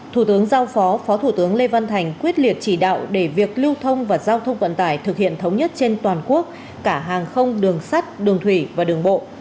thủ tướng giao phó phó thủ tướng lê văn thành quyết liệt chỉ đạo để việc lưu thông và giao thông vận tải thực hiện thống nhất trên toàn quốc cả hàng không đường sắt đường thủy và đường bộ